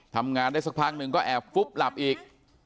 ทำงานได้สักพักหนึ่งก็แอบฟุบหลับอีก